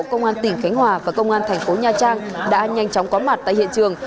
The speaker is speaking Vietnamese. công an tỉnh khánh hòa và công an thành phố nha trang đã nhanh chóng có mặt tại hiện trường